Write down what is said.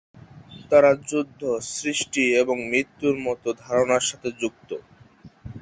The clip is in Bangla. তাঁরা যুদ্ধ, সৃষ্টি এবং মৃত্যুর মতো ধারণার সাথেও যুক্ত।